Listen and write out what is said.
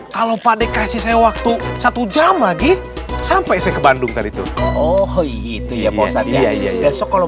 kalau pakde kasih saya waktu satu jam lagi sampai saya ke bandung oh itu pak ustadz besok kalian